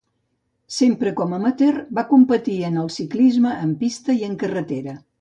Sempre com amateur, va competir en el ciclisme en pista i en carretera.